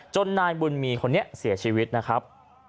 นายบุญมีคนนี้เสียชีวิตนะครับ